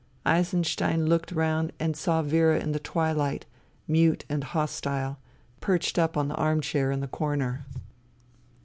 Eisenstein looked round and saw Vera in the twihght, mute and hostile, perched up on the armchair in the corner.